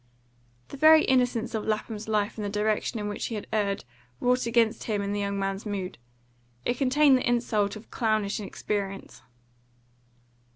The very innocence of Lapham's life in the direction in which he had erred wrought against him in the young man's mood: it contained the insult of clownish inexperience.